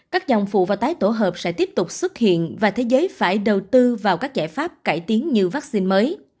các dòng phụ và tái tổ hợp sẽ tiếp tục xuất hiện và thế giới phải đầu tư vào các giải pháp cải tiến như vaccine mới